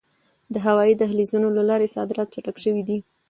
د هوایي دهلیزونو له لارې صادرات چټک شوي دي.